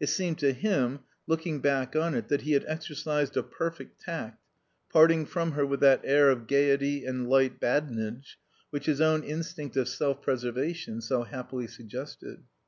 It seemed to him, looking back on it, that he had exercised a perfect tact, parting from her with that air of gaiety and light badinage which his own instinct of self preservation so happily suggested.